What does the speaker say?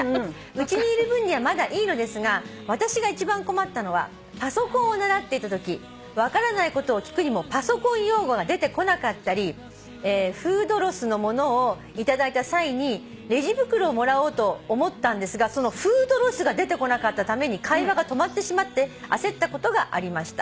「うちにいる分にはまだいいのですが私が一番困ったのはパソコンを習っていたとき分からないことを聞くにもパソコン用語が出てこなかったりフードロスのものを頂いた際にレジ袋をもらおうと思ったんですがそのフードロスが出てこなかったために会話が止まってしまって焦ったことがありました」